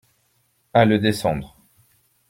À le descendre.